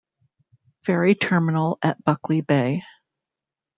Ferry terminal at Buckley Bay.